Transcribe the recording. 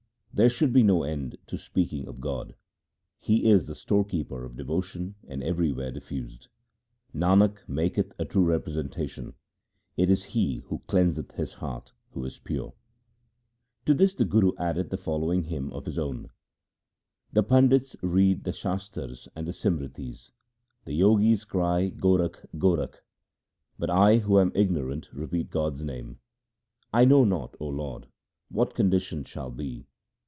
There should be no end to speaking of God ; He is the storekeeper of devotion and everywhere diffused. Nanak maketh a true representation — it is he who cleanseth his heart who is pure. 1 To this the Guru added the following hymn of his own :— The pandits read the Shastars and the Simritis, The Jogis cry ' Gorakh, Gorakh ', But I who am ignorant repeat God's name. I know not, O Lord, what my condition shall be.